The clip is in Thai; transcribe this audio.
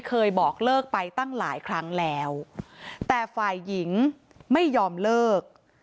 เคยบอกเลิกไปตั้งหลายครั้งแล้วแต่ฝ่ายหญิงไม่ยอมเลิก